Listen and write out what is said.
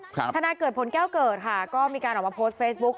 ทนายเกิดผลแก้วเกิดค่ะก็มีการออกมาโพสต์เฟซบุ๊ค